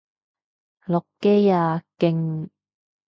落機啊！勁！